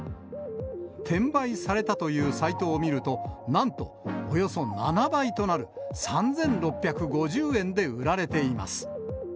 転売されたというサイトを見ると、なんと、およそ７倍となる３６５０円で売られています。